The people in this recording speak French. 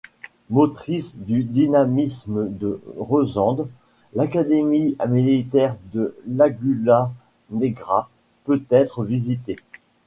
Motrice du dynamisme de Resende, l'académie militaire de l'Agulhas Negras peut être visitée.